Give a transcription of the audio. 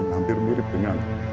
hampir mirip dengan